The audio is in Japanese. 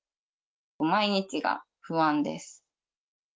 毎日が不安です。